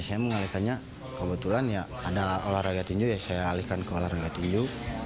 saya mengalihkannya kebetulan ya ada olahraga tinju ya saya alihkan ke olahraga tinju